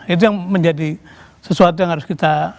itu yang menjadi sesuatu yang harus kita ternama baik baik